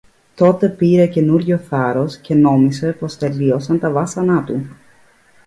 Τότε πήρε καινούριο θάρρος, και νόμισε πως τελείωσαν τα βάσανα του